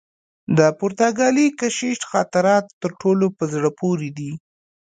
د پرتګالي کشیش خاطرات تر ټولو په زړه پوري دي.